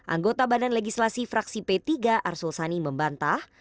anggota badan legislasi fraksi p tiga arsul sani membantah